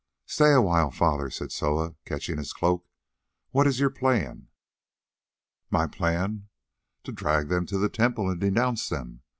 "Stay awhile, father," said Soa, catching his cloak, "what is your plan?" "My plan? To drag them to the temple and denounce them.